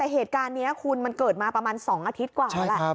แต่เหตุการณ์นี้คุณมันเกิดมาประมาณ๒อาทิตย์กว่าแหละ